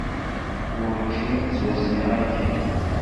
Werǧin ad ttwassneɣ akken.